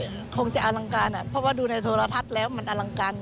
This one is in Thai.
มันคงจะอลังการอ่ะเพราะว่าดูในโทรทัศน์แล้วมันอลังการ